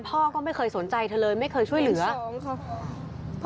พ่อก็ไม่เคยสนใจเธอเลยไม่เคยช่วยเหลือ